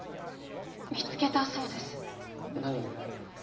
見つけたそうです何を？